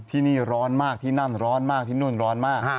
ที่นี่ร้อนมากที่นั่นร้อนมากที่นู่นร้อนมาก